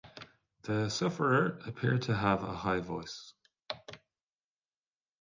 The sufferer appeared to have a high voice.